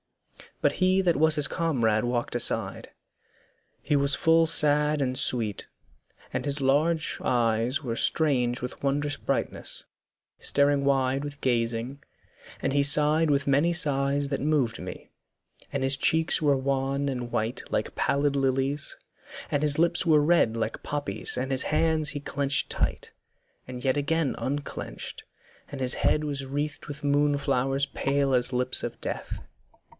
But he that was his comrade walked aside; He was full sad and sweet, and his large eyes Were strange with wondrous brightness, staring wide With gazing; and he sighed with many sighs That moved me, and his cheeks were wan and white Like pallid lilies, and his lips were red Like poppies, and his hands he clenched tight, And yet again unclenched, and his head Was wreathed with moon flowers pale as lips of death.